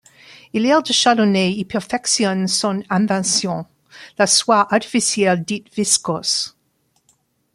Hilaire de Chardonnet y perfectionne son invention, la soie artificielle dite viscose.